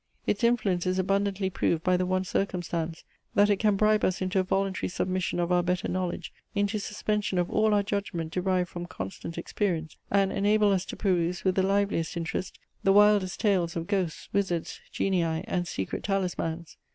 Its influence is abundantly proved by the one circumstance, that it can bribe us into a voluntary submission of our better knowledge, into suspension of all our judgment derived from constant experience, and enable us to peruse with the liveliest interest the wildest tales of ghosts, wizards, genii, and secret talismans.